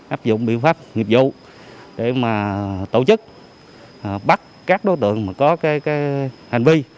áp dụng biện pháp nghiệp vụ để mà tổ chức bắt các đối tượng có hành vi